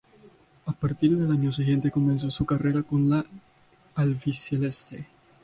A partir del año siguiente comenzó su carrera con la albiceleste.